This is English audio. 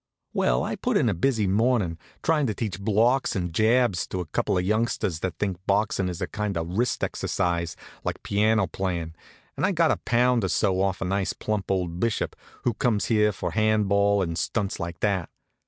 Well, I put in a busy mornin', tryin' to teach blocks and jabs to a couple of youngsters that thinks boxin' is a kind of wrist exercise, like piano playin', and I'd got a pound or so off a nice plump old Bishop, who comes here for hand ball and stunts like that.